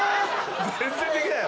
全然できない。